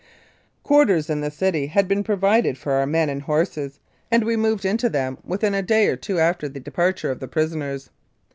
Quarters in the city had been provided for our men and horses, and we moved into them within a day or two after the departure of the prisoners.